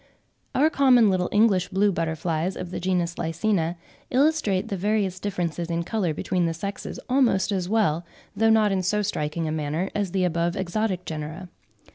Our common little English blue butterflies of the genus Lycaena, illustrate the various differences in colour between the sexes, almost as well, though not in so striking a manner, as the above exotic genera.